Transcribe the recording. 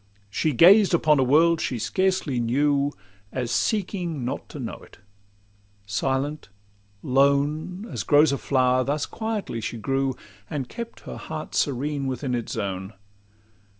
She gazed upon a world she scarcely knew, As seeking not to know it; silent, lone, As grows a flower, thus quietly she grew, And kept her heart serene within its zone.